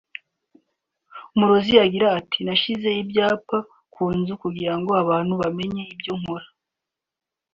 Umurezi yagize ati “Nashyize ibyapa ku nzu kugira ngo abantu bamenye ibyo nkora